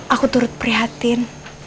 aku turut prihatin